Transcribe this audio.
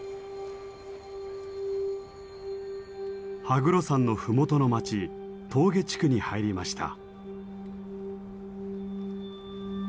羽黒山の麓の町手向地区に入りました。